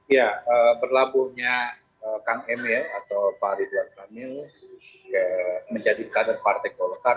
ya berlabuhnya kang emil atau pak ridwan kamil menjadi kader partai golkar